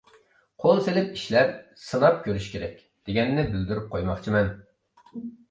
قول سېلىپ ئىشلەپ، سىناپ كۆرۈش كېرەك، دېگەننى بىلدۈرۈپ قويماقچىمەن.